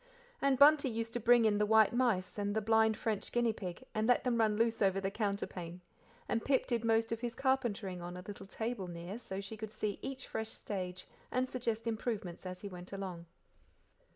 And Bunty used to bring in the white mice and the blind French guinea pig, and let them run loose over the counterpane, and Pip did most of his carpentering on a little table near, so she could see each fresh stage and suggest improvements as he went along.